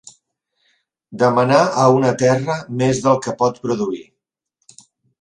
Demanar a una terra més del que pot produir.